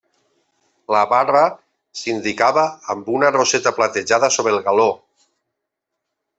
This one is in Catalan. La barra s'indicava amb una roseta platejada sobre el galó.